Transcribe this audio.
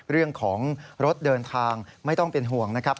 เรื่องของรถเดินทางไม่ต้องเป็นห่วงนะครับ